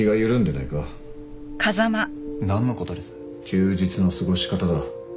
休日の過ごし方だ。